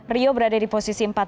rio berada di posisi empat